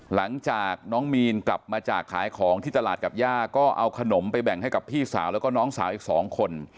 หลังจากน้องมีนกลับมาจากขายของที่ตลาดกับย่าก็เอาขนมไปแบ่งให้กับพี่สาวแล้วก็น้องสาวอีก๒คน